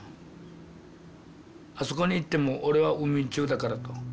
あそこに行っても俺はウミンチュだからと。